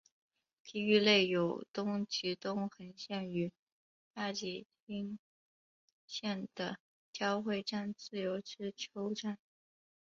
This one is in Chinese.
地域内有东急东横线与大井町线的交会站自由之丘站。